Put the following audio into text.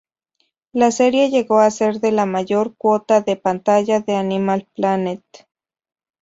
La serie llegó a ser la de mayor cuota de pantalla de Animal Planet,